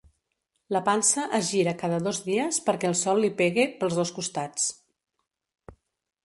La pansa es gira cada dos dies perquè el sol li pegue pels dos costats.